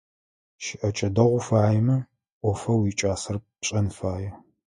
Щыӏэкӏэ дэгъу уфаемэ, ӏофэу уикӏасэр пшэн фае.